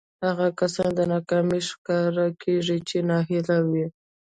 هغه کسان د ناکامۍ ښکار کېږي چې ناهيلي وي.